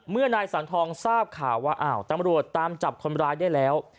เมื่อนายสังทองทราบข่าวว่าอ้าวตำรวจตามจับคนร้ายได้แล้ว